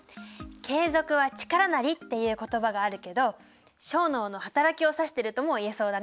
「継続は力なり」っていう言葉があるけど小脳の働きを指してるとも言えそうだね。